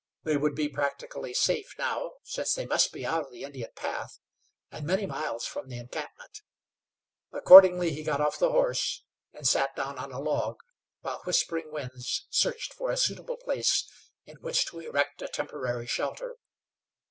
They would be practically safe now, since they must be out of the Indian path, and many miles from the encampment. Accordingly he got off the horse, and sat down on a log, while Whispering Winds searched for a suitable place in which to erect a temporary shelter.